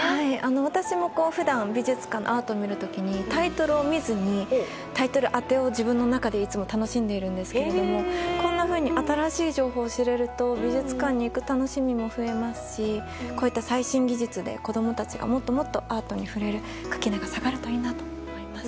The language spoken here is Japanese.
私も普段、美術館でアートを見る時にタイトルを見ずにタイトルを当てを自分の中でいつも、楽しんでいるんですけどこんなふうに新しい情報を知れると美術館に行く楽しみも増えますし最新技術で子供たちがもっとアートに触れる垣根が下がるといいなと思います。